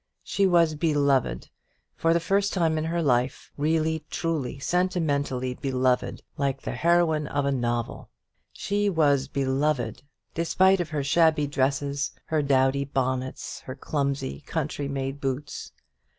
She was beloved; for the first time in her life really, truly, sentimentally beloved, like the heroine of a novel. She was beloved; despite of her shabby dresses, her dowdy bonnets, her clumsy country made boots.